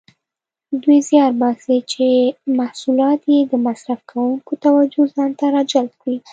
دوی زیار باسي چې محصولات یې د مصرف کوونکو توجه ځانته راجلب کړي.